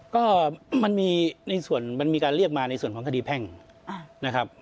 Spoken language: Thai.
ก็มันมีในส่วนมันมีการเรียกมาในส่วนของคดีแพ่งนะครับ